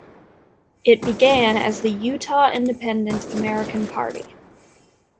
It began as the Utah Independent American Party.